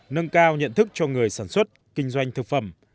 nâng cao nhận thức cho người sản xuất kinh doanh thực phẩm